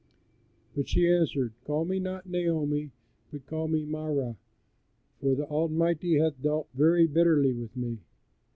] But she answered: "Call me not Naomi, but call me Mara, for the Almighty hath dealt very bitterly with me."